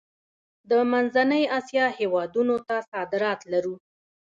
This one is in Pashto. د منځنۍ اسیا هیوادونو ته صادرات لرو؟